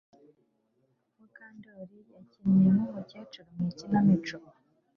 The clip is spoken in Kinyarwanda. Mukandoli yakinnye nkumukecuru mu ikinamico